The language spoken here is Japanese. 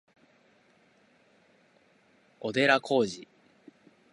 小寺浩二